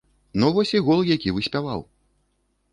Ну вось і гол, які выспяваў.